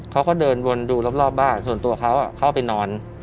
เขาก็เดินวนดูรอบบ้านส่วนตัวเขาเข้าไปนอน